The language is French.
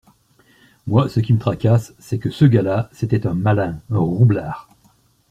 Moi, ce qui me tracasse, c’est que ce gars-là, c’était un malin, un roublard.